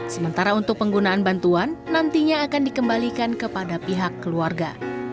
sementara untuk penggunaan bantuan nantinya akan dikembalikan kepada pihak keluarga